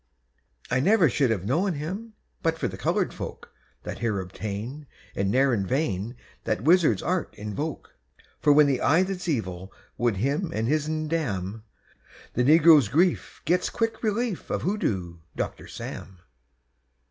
_ I never should have known him But for the colored folk That here obtain And ne'er in vain That wizard's art invoke; For when the Eye that's Evil Would him and his'n damn, The negro's grief gets quick relief Of Hoodoo Doctor Sam.